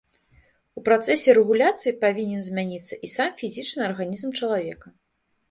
У працэсе рэгуляцыі павінен змяніцца і сам фізічны арганізм чалавека.